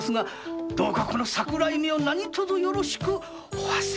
この桜井めを何とぞよろしく。